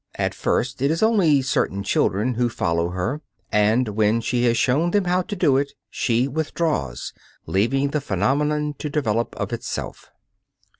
At first it is only certain children who follow her, and when she has shown them how to do it, she withdraws, leaving the phenomenon to develop of itself.